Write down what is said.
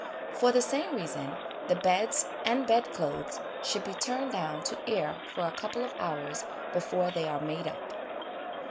For the same reason, the beds and bedclothes should be turned down to air for a couple of hours before they are made up.